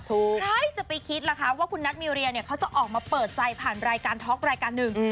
ใครจะไปคิดล่ะคะว่าคุณนัทมีเรียเนี่ยเขาจะออกมาเปิดใจผ่านรายการท็อกรายการหนึ่ง